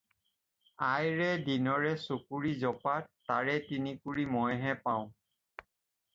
আইৰে দিনৰে ছকুৰি জপা, তাৰে তিনিকুৰি মইহে পাওঁ!